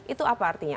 itu apa artinya